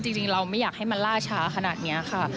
จริงเราไม่อยากให้มันล่าช้าขนาดนี้ค่ะ